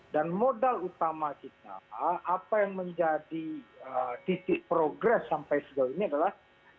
dan modal utama kita apa yang menjadi titik progres sampai sekarang ini adalah